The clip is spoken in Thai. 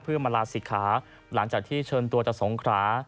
เพื่อมาลาศิกขาหลังจากที่เชิญตัวจากสงขรา